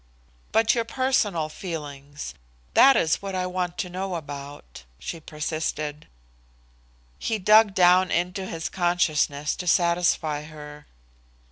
"But your personal feelings that is what I want to know about?" she persisted. He dug down into his consciousness to satisfy her.